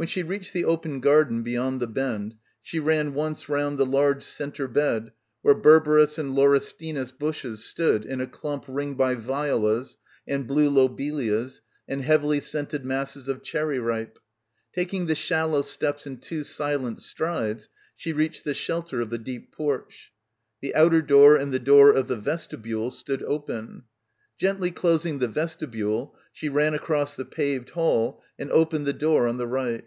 When she reached the open garden beyond the bend she ran once round the large centre bed where berberus and laurestinus bushes stood in a clump ringed by violas and blue lobelias and heavily scented masses of cherry ripe. Taking the shallow steps in two silent strides she reached the shelter of the deep porch. The outer door and the door of the vestibule stood open. Gently closing the vestibule she ran across the paved hall and opened the door on the right.